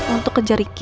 untuk kejar riki